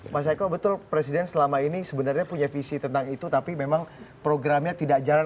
mas eko betul presiden selama ini sebenarnya punya visi tentang itu tapi memang programnya tidak jalan